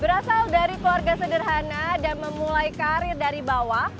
berasal dari keluarga sederhana dan memulai karir dari bawah